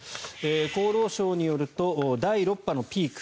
厚労省によると第６波のピーク